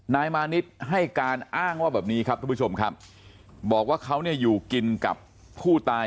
นายมานิดให้การอ้างว่าแบบนี้ครับทุกผู้ชมครับบอกว่าเขาเนี่ยอยู่กินกับผู้ตาย